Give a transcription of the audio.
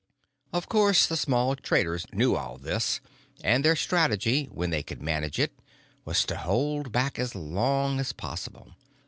Of course the small traders knew all this, and their strategy, when they could manage it, was to hold back as long as possible.